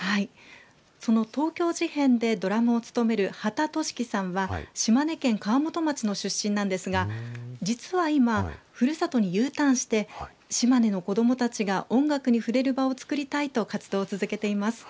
その東京事変でドラムを務める刄田綴色さんは島根県川本町の出身なんですが実は今ふるさとにＵターンして島根の子どもたちが音楽に触れる場をつくりたいと活動を続けています。